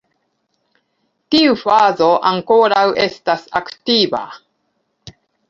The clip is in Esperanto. Tiu fazo ankoraŭ estas aktiva.